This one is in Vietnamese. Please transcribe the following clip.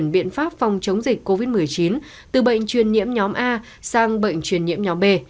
biện pháp phòng chống dịch covid một mươi chín từ bệnh truyền nhiễm nhóm a sang bệnh truyền nhiễm nhóm b